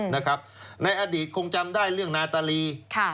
ในอดีตคงจำได้เรื่องนาตาลี